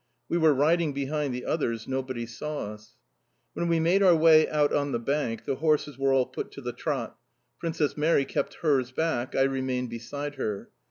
We were riding behind the others: nobody saw us. When we made our way out on the bank, the horses were all put to the trot. Princess Mary kept hers back; I remained beside her.